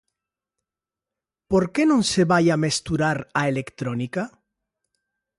Por que non se vai a mesturar a electrónica?